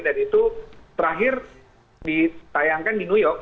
dan itu terakhir ditayangkan di new york